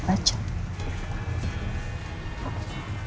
paling nanti kalau ditanyain